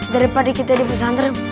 daripada kita di pesantren